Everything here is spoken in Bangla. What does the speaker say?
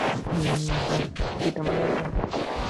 তিনি নিউইয়র্ক সিটিতে মারা যান।